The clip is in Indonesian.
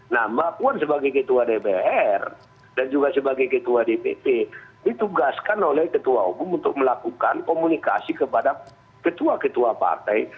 nah mbak puan sebagai ketua dpr dan juga sebagai ketua dpp ditugaskan oleh ketua umum untuk melakukan komunikasi kepada ketua ketua partai